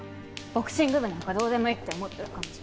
ボクシング部なんかどうでもいいって思ってる感じ。